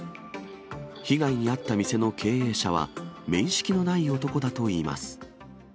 被害に遭った店の経営者は、面識のない男だといいます。